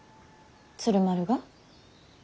鶴丸が？